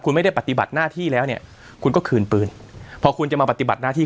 คุณไม่ได้ปฏิบัติหน้าที่แล้วเนี่ยคุณก็คืนปืนพอคุณจะมาปฏิบัติหน้าที่